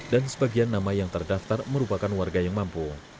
dan sebagian nama yang terdaftar merupakan warga yang mampu